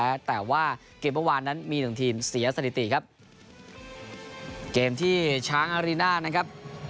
แต่ว่าเกมเมื่อวานนั้นมีหนึ่งทีมเสียสถิติครับเกมที่ช้างอารีน่านะครับ